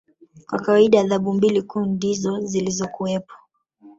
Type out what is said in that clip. Kwa kawaida adhabu mbili kuu ndizo zilikuwepo